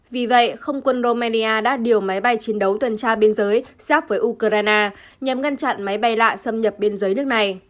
vì vậy không quân romania đã điều máy bay chiến đấu tuần tra biên giới giáp với ukraine nhằm ngăn chặn máy bay lạ xâm nhập biên giới nước này